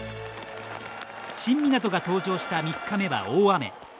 新湊が登場した３日目は大雨。